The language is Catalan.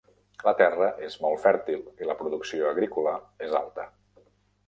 La terra és molt fèrtil i la producció agrícola és alta.